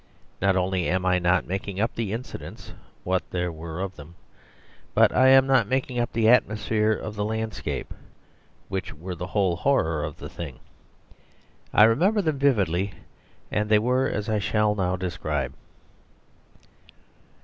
Not only am I not making up the incidents (what there were of them), but I am not making up the atmosphere of the landscape, which were the whole horror of the thing. I remember them vividly, and they were as I shall now describe.